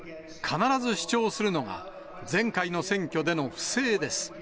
必ず主張するのが前回の選挙での不正です。